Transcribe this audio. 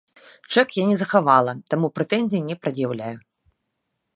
Чэк я не захавала, таму прэтэнзій не прад'яўляю.